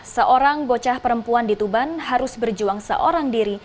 seorang bocah perempuan di tuban harus berjuang seorang diri